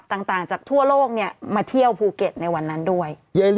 ต่างจากทั่วโลกเนี่ยมาเที่ยวภูเก็ตในวันนั้นด้วย